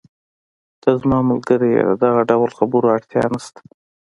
ته زما ملګری یې، د دغه ډول خبرو اړتیا نشته.